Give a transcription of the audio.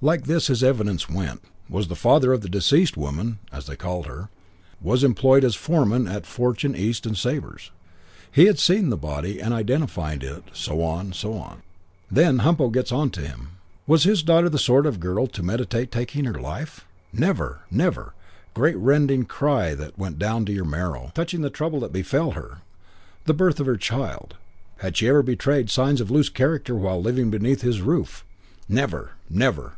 "Like this, his evidence went: Was father of the deceased woman (as they called her). Was employed as foreman at Fortune, East and Sabre's. Had seen the body and identified it. So on, so on. "Then Humpo gets on to him. Was his daughter the sort of girl to meditate taking her life? 'Never! Never!' Great rending cry that went down to your marrow. "Touching the trouble that befell her, the birth of her child had she ever betrayed signs of loose character while living beneath his roof? 'Never! Never!'